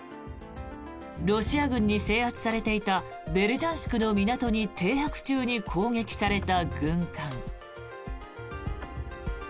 ロシア軍に制圧されていたベルジャンシクの港に停泊中に攻撃された軍艦。